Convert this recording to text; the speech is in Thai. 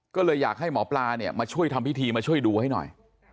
ก็เลยอยากให้หมอปลาเนี่ยมาช่วยทำพิธีมาช่วยดูให้หน่อย